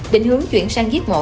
định hướng chuyển sang giết mổ